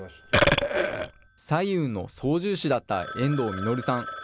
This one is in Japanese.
彩雲の操縦士だった遠藤稔さん。